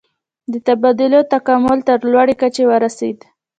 د تبادلو تکامل تر لوړې کچې ورسید.